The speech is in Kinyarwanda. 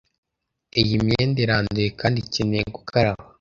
Iyi myenda iranduye kandi ikeneye gukaraba.